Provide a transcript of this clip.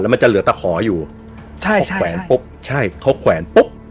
มันจะเหลือตะขออยู่ใช่ใช่แขวนปุ๊บใช่เขาแขวนปุ๊บ